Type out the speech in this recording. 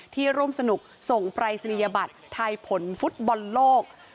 ร่วมสนุกส่งปรายศนียบัตรทายผลฟุตบอลโลก